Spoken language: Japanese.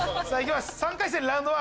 ３回戦ラウンド１